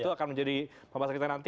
itu akan menjadi pembahasan kita nanti